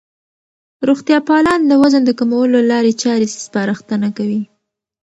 روغتیا پالان د وزن د کمولو لارې چارې سپارښتنه کوي.